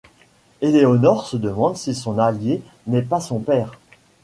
Éléonore se demande si son allié n'est pas son père.